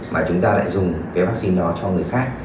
mà chúng ta lại dùng cái vaccine đó cho người khác